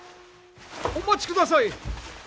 お待ちください！